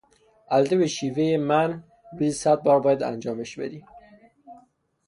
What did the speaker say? البته به شیوهی من روزی صد بار باید انجامش بدی